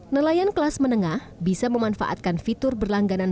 nelayan kelas menengah bisa memanfaatkan fitur berlangganan